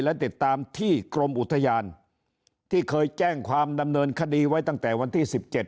และติดตามที่กรมอุทยานที่เคยแจ้งความดำเนินคดีไว้ตั้งแต่วันที่๑๗